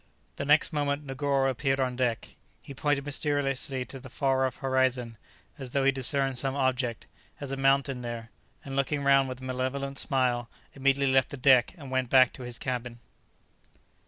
The next moment Negoro appeared on deck; he pointed mysteriously to the far off horizon, as though he discerned some object, as a mountain, there; and looking round with a malevolent smile, immediately left the deck, and went back to his cabin.